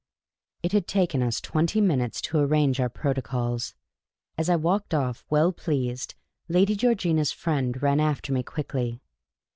' It had taken us twenty minutes to arrange our protocols. As I walked off, well pleased, Lady Georgina's friend ran after me quickly.